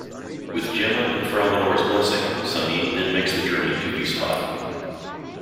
With Gemma and Frau Lenore's blessing, Sanin then makes the journey to Wiesbaden.